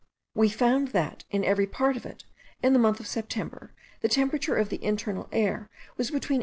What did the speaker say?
We found that, in every part of it, in the month of September, the temperature of the internal air was between 18.